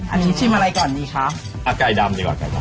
อันนี้ชิมอะไรก่อนดีคะเอาไก่ดำดีกว่าไก่เน